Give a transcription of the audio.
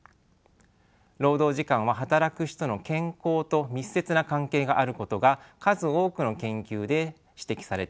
労働時間は働く人の健康と密接な関係があることが数多くの研究で指摘されています。